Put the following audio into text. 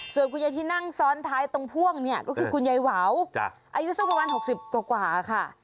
ส่วนคุณยายที่นั่งซ้อนท้ายตรงพ่วงเนี่ยก็คือคุณยายหวาวอายุสักประมาณ๖๐กว่าค่ะ